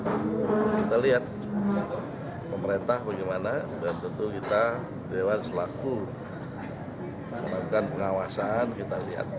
kita lihat pemerintah bagaimana dan tentu kita dewan selaku melakukan pengawasan kita lihat